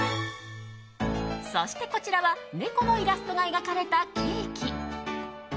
そして、こちらは猫のイラストが描かれたケーキ。